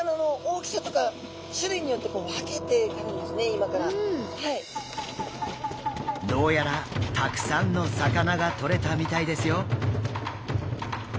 今どうやらたくさんの魚がとれたみたいですよ。